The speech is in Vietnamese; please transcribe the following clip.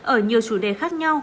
ở nhiều chủ đề khác